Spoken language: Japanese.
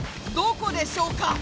どこでしょうか？